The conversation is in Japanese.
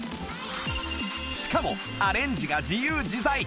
しかもアレンジが自由自在